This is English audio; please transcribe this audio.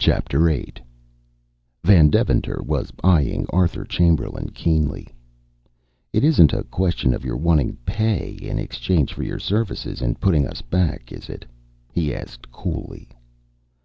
VIII. Van Deventer was eying Arthur Chamberlain keenly. "It isn't a question of your wanting pay in exchange for your services in putting us back, is it?" he asked coolly.